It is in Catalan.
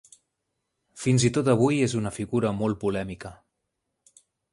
Fins i tot avui és una figura molt polèmica.